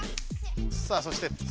さあそして「つ」。